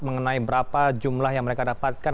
mengenai berapa jumlah yang mereka dapatkan